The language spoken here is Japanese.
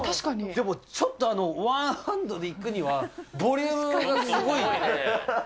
でもちょっとワンハンドでいくにはボリュームがすごい。